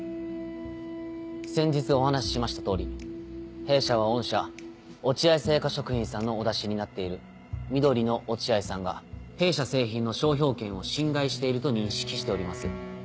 先日お話ししました通り弊社は御社落合製菓食品さんのお出しになっている「緑のおチアイさん」が弊社製品の商標権を侵害していると認識しております。